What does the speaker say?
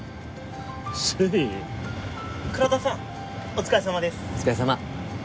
お疲れさま。